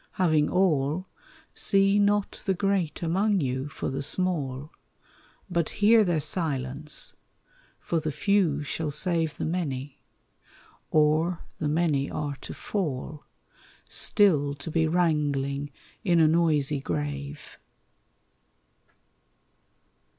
Having all, See not the great among you for the small, But hear their silence; for the few shall save The many, or the many are to fall Still to be wrangling in a noisy grave.